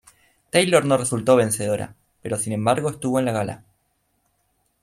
Taylor no resultó vencedora, pero sin embargo estuvo en la gala.